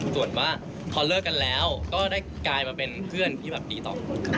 ส่วนว่าพอเลิกกันแล้วก็ได้กลายมาเป็นเพื่อนที่แบบดีต่อคนครับ